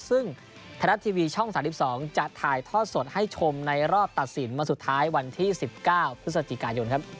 ซึ่งไทยรัฐทีวีช่อง๓๒จะถ่ายทอดสดให้ชมในรอบตัดสินวันสุดท้ายวันที่๑๙พฤศจิกายนครับ